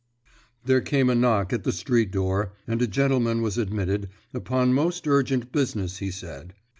There came a knock at the street door, and a gentleman was admitted, upon most urgent business he said.